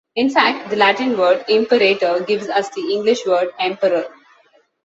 In fact, the Latin word, "imperator", gives us the English word "emperor".